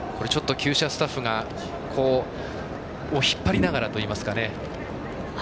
きゅう舎スタッフを引っ張りながらといいますかね。